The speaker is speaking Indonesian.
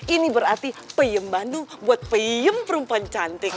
ini berarti payung bandung buat payung perempuan cantik